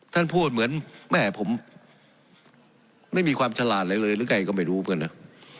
ท่านพูดเหมือนแม่ผมไม่มีความฉลาดไรเลยหรือใครจะไม่รู้เพื่อนอะ